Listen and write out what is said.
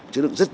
chưa được rất là